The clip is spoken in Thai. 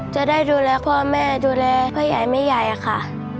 จะได้ดูแลพ่อแม่ดูแลพ่อใหญ่แม่ใหญ่ค่ะ